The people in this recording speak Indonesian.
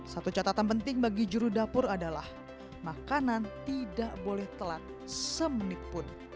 satu catatan penting bagi juru dapur adalah makanan tidak boleh telat semenit pun